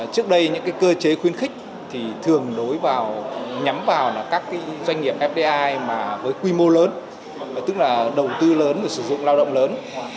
trước đây những cơ chế khuyến khích thì thường nhắm vào các doanh nghiệp fdi với quy mô lớn tức là đầu tư lớn sử dụng lao động lớn